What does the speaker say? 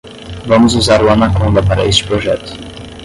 Vamos usar o Anaconda para este projeto.